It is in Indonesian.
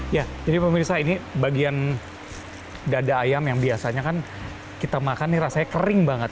ya jadi pemirsa ini bagian dada ayam yang biasanya kan kita makan nih rasanya kering banget